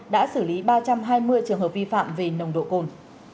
đã xử lý ba trăm hai mươi trường hợp vi phạm về nồng độ cồn